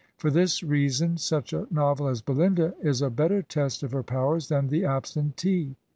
For this reason such a novel as "Belinda " is a better test of her powers than " The Absentee.